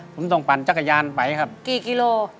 ผมต้องปั่นจักรยานไปครับกี่กิโล